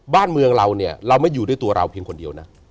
บ้านเมืองเราเนี่ยเราไม่อยู่ด้วยตัวเราเพียงคนเดียวนะ